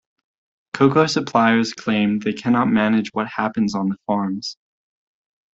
Cocoa suppliers claimed they cannot manage what happens on the farms.